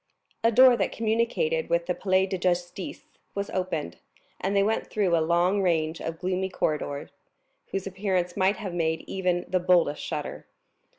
A door that communicated with the Palais de Justice was opened, and they went through a long range of gloomy corridors, whose appearance might have made even the boldest shudder.